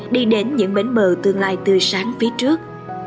đi đến những bến mờ tương lai tư sáng phía trước